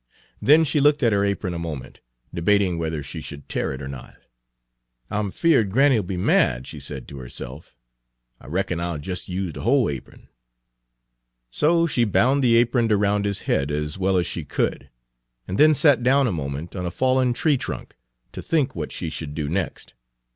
Then she looked at her apron a moment, debating whether she should tear it or not. Page 138 "I'm feared granny 'll be mad," she said to herself. "I reckon I 'll jes' use de whole apron." So she bound the apron around his head as well as she could, and then sat down a moment on a fallen tree trunk, to think what she should do next.